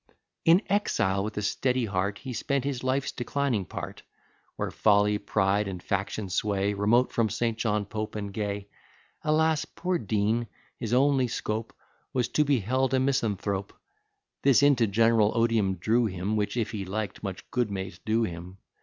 "In exile, with a steady heart, He spent his life's declining part; Where folly, pride, and faction sway, Remote from St. John, Pope, and Gay. Alas, poor Dean! his only scope Was to be held a misanthrope. This into gen'ral odium drew him, Which if he liked, much good may't do him.